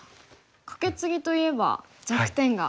カケツギといえば弱点が。